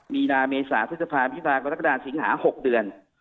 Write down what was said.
มีนาเมษาพฤษภามิพากรกฎาสิงหา๖เดือน